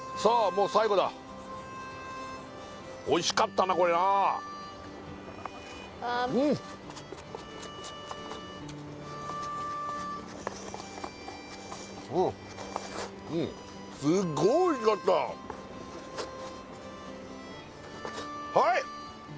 もう最後だおいしかったなこれなあうんはい！